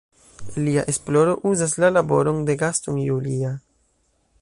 Lia esploro uzas la laboron de Gaston Julia.